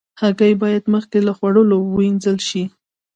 هګۍ باید مخکې له خوړلو وینځل شي.